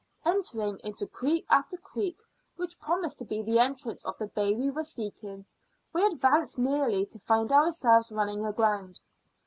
Entering also into creek after creek which promised to be the entrance of the bay we were seeking, we advanced merely to find ourselves running aground.